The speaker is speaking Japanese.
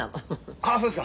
あそうですか。